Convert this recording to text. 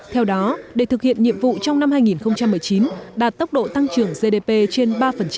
theo đó để thực hiện nhiệm vụ trong năm hai nghìn một mươi chín đạt tốc độ tăng trưởng gdp trên ba